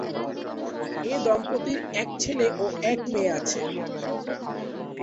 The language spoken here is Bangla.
এ দম্পতির এক ছেলে ও এক মেয়ে আছে।